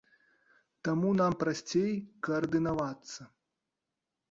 Таму нам прасцей каардынавацца.